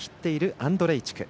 アンドレイチク